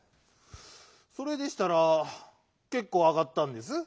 それでしたら「けっこうあがった」んです。